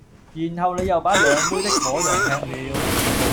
然後你又把兩杯的果茸吃了